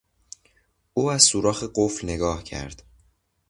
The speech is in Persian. او از سوراخ قفل نگاه کرد.